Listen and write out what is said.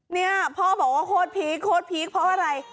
นี่พ่อบอกเว้าเฮียมีข้อมูลว่าอะไร